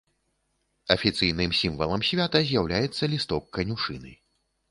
Афіцыйным сімвалам свята з'яўляецца лісток канюшыны.